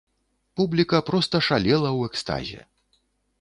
Публіка проста шалела ў экстазе!